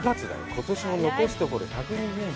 ことしも残すところ１２０日。